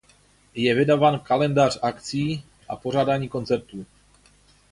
Je vydáván kalendář akci a pořádání koncertů.